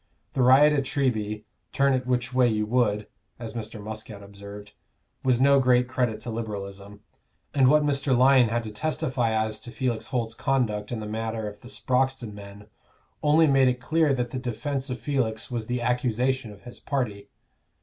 The riot at Treby, "turn it which way you would," as Mr. Muscat observed, was no great credit to Liberalism; and what Mr. Lyon had to testify as to Felix Holt's conduct in the matter of the Sproxton men, only made it clear that the defence of Felix was the accusation of his party.